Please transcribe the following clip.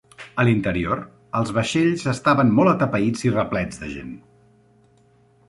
A l'interior, els vaixells estaven molt atapeïts i replets de gent.